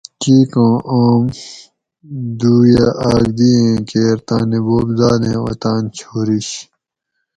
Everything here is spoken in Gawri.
کیکوں اوم دویہ آۤک دی ایں کیر تانی بوب دادیں اوطاۤن چھوریش